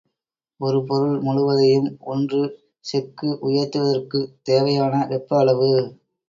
ஒரு பொருள் முழுவதையும் ஒன்று செக்கு உயர்த்துவதற்குத் தேவையான வெப்ப அளவு.